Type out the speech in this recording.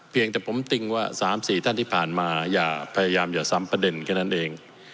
เพียงแต่ผมติ้งว่า๓๔ท่านที่ผ่านมาอย่าพยายามอย่าซ้ำประเด็นแค่นั้นเอง